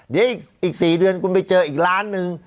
เดี๋ยวอีก๔เดือนคุณไปเจออีกล้านหนึ่ง